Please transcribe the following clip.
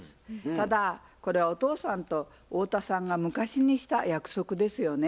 ただこれはお父さんと太田さんが昔にした約束ですよね。